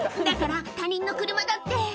だから他人の車だって！